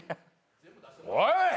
おい！